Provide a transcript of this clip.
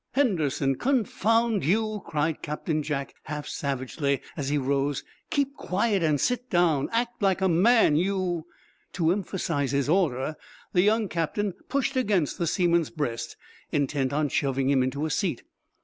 "Henderson, confound you," cried Captain Jack, half savagely, as he rose, "keep quiet and sit down! Act like a man. You " To emphasize his order the young captain pushed against the seaman's breast, intent on shoving him into a seat.